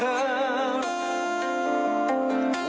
ว่าคิดถึง